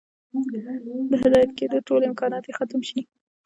د هدايت كېدو ټول امكانات ئې ختم شي